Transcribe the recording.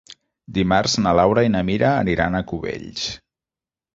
Dimarts na Laura i na Mira aniran a Cubells.